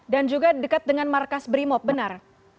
dan juga dekat dengan markas brimop benar